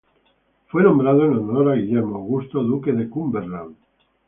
Fue nombrado en honor a Guillermo Augusto, duque de Cumberland.